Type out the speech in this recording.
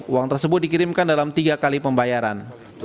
uang tersebut dikirimkan dalam tiga kali pembayaran